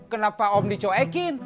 kenapa om dicoekin